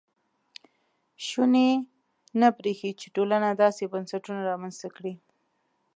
شونې نه برېښي چې ټولنه داسې بنسټونه رامنځته کړي.